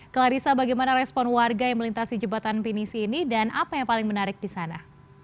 clarissa bagaimana respon warga yang melintasi jembatan pinisi ini dan apa yang paling menarik di sana